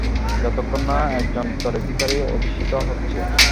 যতক্ষণ না একজন উত্তরাধিকারী অধিষ্ঠিত হচ্ছে।